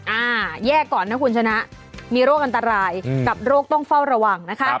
อ่าแยกก่อนนะคุณชนะมีโรคอันตรายกับโรคต้องเฝ้าระวังนะคะ